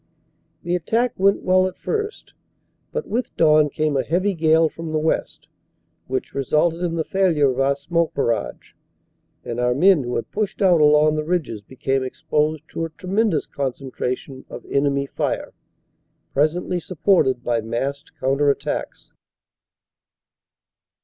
The attack went well at first, but with dawn came a heavy gale from the west which resulted in the failure of our smoke barrage, and our men who had pushed out along the ridges became exposed to a tremendous concentration of enemy fire, presently supported by massed counter attacks.